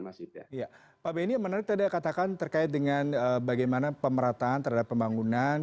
masih ya pak benny menurut anda katakan terkait dengan bagaimana pemerataan terhadap pembangunan